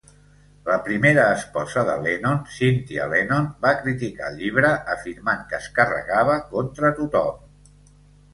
La primera esposa de Lennon, Cynthia Lennon, va criticar el llibre afirmant que es carregava contra tothom.